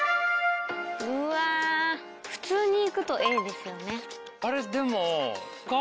うわ普通にいくとＡですよね。